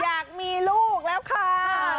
อยากมีลูกแล้วค่ะ